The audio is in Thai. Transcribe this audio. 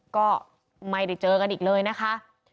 ก็ไม่ได้เจอกันอีกเลยนะคะ